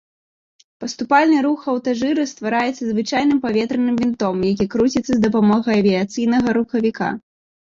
Паступальны рух аўтажыра ствараецца звычайным паветраным вінтом, які круціцца з дапамогай авіяцыйнага рухавіка.